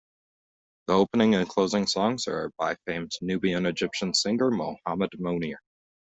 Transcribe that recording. The opening and closing songs are by famed Nubian-Egyptian singer Mohammed Mounir.